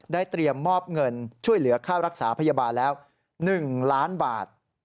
เตรียมมอบเงินช่วยเหลือค่ารักษาพยาบาลแล้ว๑ล้านบาท